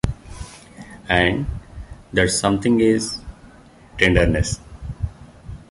And that something is tenderness.